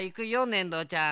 ねんどちゃん。